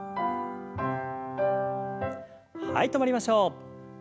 はい止まりましょう。